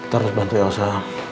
terus bantu elsa